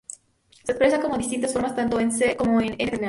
Se expresa como distintas formas tanto en el C- como en el N-terminal.